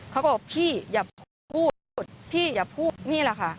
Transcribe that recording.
เขาก็บอกพี่อย่าพูดพี่อย่าพูดนี่แหละค่ะ